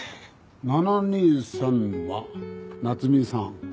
「７２３」は奈津美さん。